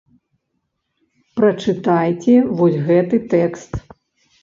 Прачытайце вось гэты тэкст.